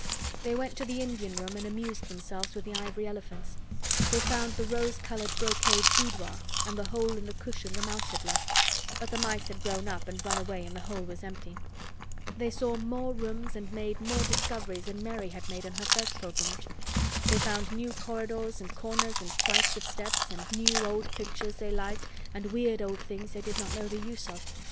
They went to the Indian room and amused themselves with the ivory elephants. They found the rose colored brocade boudoir and the hole in the cushion the mouse had left, but the mice had grown up and run away and the hole was empty. They saw more rooms and made more discoveries than Mary had made on her first pilgrimage. They found new corridors and corners and flights of steps and new old pictures they liked and weird old things they did not know the use of.